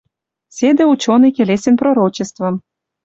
Седӹ учёный келесен пророчествым